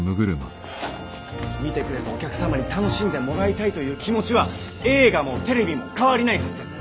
見てくれたお客様に楽しんでもらいたいという気持ちは映画もテレビも変わりないはずです。